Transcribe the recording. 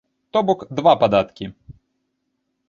То бок два падаткі.